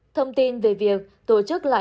thông tin về việc tổ chức lại